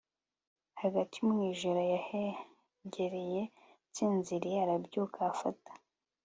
hagati mu ijoro, yahengereye nsinziriye, arabyuka, afata